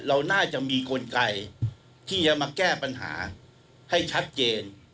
เราน่าจะมีกลไกที่จะมาแก้ปัญหาให้ชัดเจน